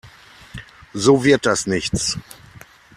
So wird das nichts.